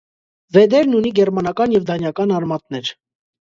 Վեդերն ունի գերմանական և դանիական արմատներ։